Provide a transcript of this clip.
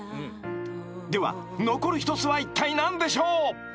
［では残る１つはいったい何でしょう？］